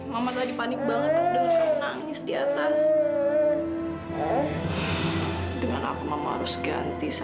mama tadi panik banget pas denger kamu nangis di atas